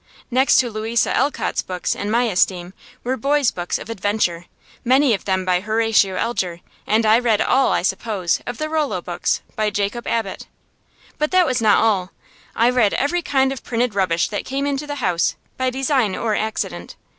Next to Louisa Alcott's books in my esteem were boys' books of adventure, many of them by Horatio Alger; and I read all, I suppose, of the Rollo books, by Jacob Abbott. But that was not all. I read every kind of printed rubbish that came into the house, by design or accident.